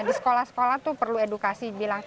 di sekolah sekolah tuh perlu edukasi bilang